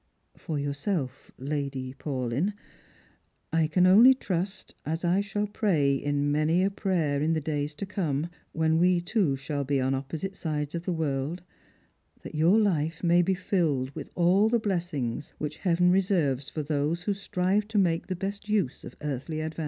For yourself, Lady Paulyn, I can only trust — as I shall pray iu many a prayer in the days to come, when we two shall be on oj^posita eides of the world — that your Hfe may be filled with all the blessings which Heaven reserves for those who strive to maka |iie best use of earthly advantages."